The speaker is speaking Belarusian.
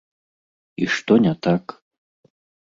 І што не так?